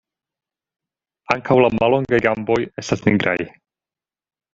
Ankaŭ la mallongaj gamboj estas nigraj.